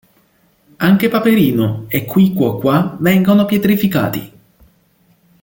Anche Paperino e Qui, Quo, Qua vengono pietrificati.